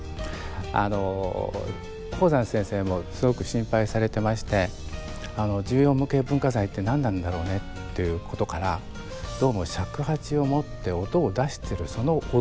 あの邦山先生もすごく心配されてまして重要無形文化財って何なんだろうね？っていうことからどうも尺八を持って音を出してるその音が重要